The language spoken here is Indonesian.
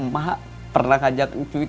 mak pernah ajak ncuy